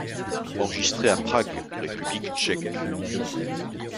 Enregistré à Prague, République tchèque.